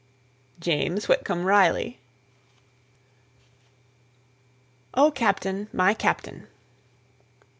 JAMES WHITCOMB RILEY. O CAPTAIN! MY CAPTAIN!